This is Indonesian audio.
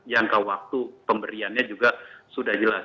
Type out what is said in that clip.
yang ke waktu pemberiannya juga sudah jelas